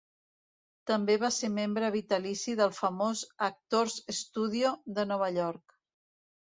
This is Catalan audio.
També va ser membre vitalici del famós "Actors Studio" de Nova York.